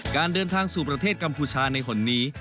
การเดินทางสู่ประเทศกัมพูชาในหนนี้